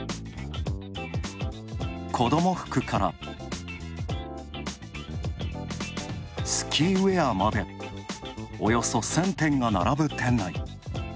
子ども服から、スキーウエアまでおよそ１０００点が並ぶ店内。